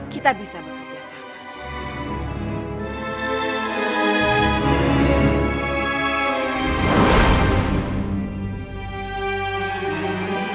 kita bisa bekerja sama